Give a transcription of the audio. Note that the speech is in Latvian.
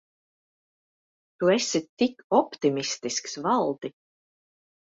Tu esi tik optimistisks, Valdi.